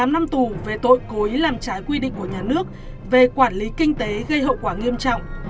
tám năm tù về tội cố ý làm trái quy định của nhà nước về quản lý kinh tế gây hậu quả nghiêm trọng